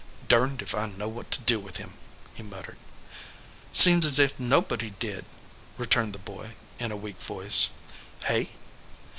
"Durned if I know what to do with him," he muttered. "Seems as if nobody did," returned the boy, in a weak voice. "Hey?"